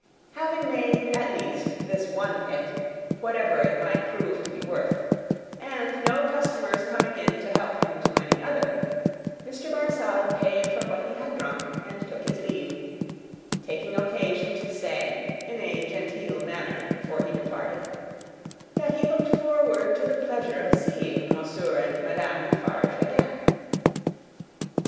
Having made, at least, this one hit, whatever it might prove to be worth, and no customers coming in to help him to any other, Mr. Barsad paid for what he had drunk, and took his leave: taking occasion to say, in a genteel manner, before he departed, that he looked forward to the pleasure of seeing Monsieur and Madame Defarge again.